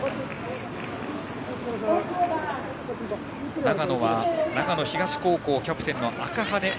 長野は長野東高校キャプテンの赤羽。